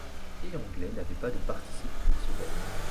Le vieil anglais n’avait pas de participe pour ce verbe.